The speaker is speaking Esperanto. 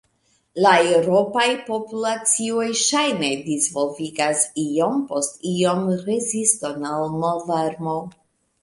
La eŭropaj populacioj ŝajne disvolvigas iom post iom reziston al malvarmo.